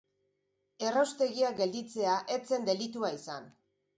Erraustegia gelditzea ez zen delitua izan.